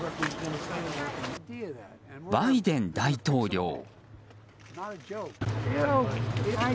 バイデン大統領。